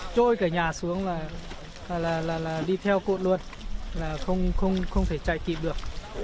trôi cả nhà xuống là đi theo cột luôn không thể chạy kịp được